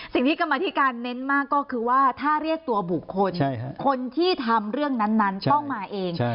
สิ่งที่กรรมธิการเน้นมากก็คือว่าถ้าเรียกตัวบุคคลคนที่ทำเรื่องนั้นต้องมาเอง